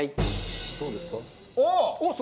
どうですか？